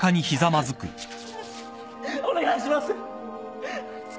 お願いします。